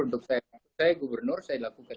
untuk saya gubernur saya lakukan